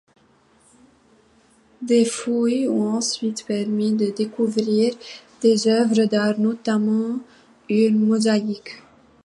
Des fouilles ont ensuite permis de découvrir des œuvres d'art, notamment une mosaïque.